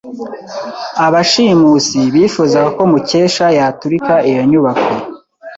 Abashimusi bifuzaga ko Mukesha yaturika iyo nyubako.